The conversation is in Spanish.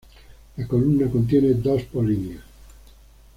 La columna contiene dos polinias.